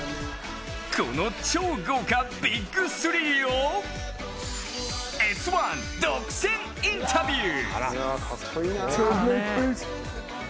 この超豪華ビッグスリーを「Ｓ☆１」独占インタビュー！